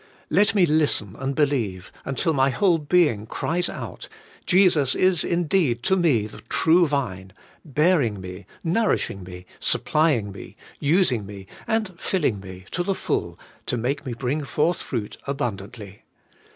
Let me listen and believe, until my whole being cries out, 'Jesus is indeed to me the True Vine, bearing me, nourishing me, supplying me, using me, and filling me to the full to make me bring forth fruit abundantly.'